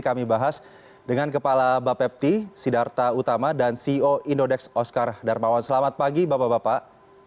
kami bahas dengan kepala bapepti sidarta utama dan ceo indodex oscar darmawan selamat pagi bapak bapak